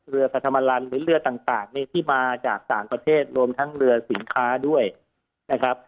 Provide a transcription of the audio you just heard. เรือพระธรรมลันหรือเรือต่างเนี่ยที่มาจากต่างประเทศรวมทั้งเรือสินค้าด้วยนะครับ